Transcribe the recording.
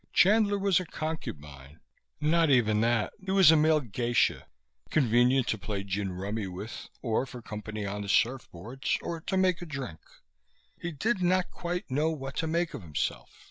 Chandler was a concubine not even that; he was a male geisha, convenient to play gin rummy with, or for company on the surfboards, or to make a drink. He did not quite know what to make of himself.